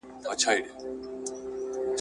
زړه مي ستا ډېرو بېرو داسي نرى کړ